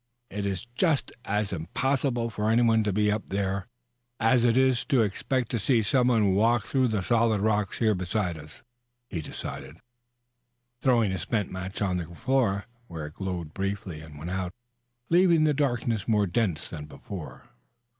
"It is just as impossible for anyone to be up there as it is to expect to see some one walk through the solid rocks here beside us," he decided, throwing the spent match on the floor where it glowed briefly and went out, leaving the darkness more dense than before.